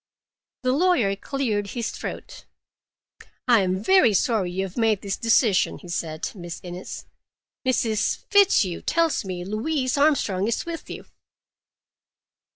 The lawyer cleared his throat. "I am very sorry you have made this decision," he said. "Miss Innes, Mrs. Fitzhugh tells me Louise Armstrong is with you."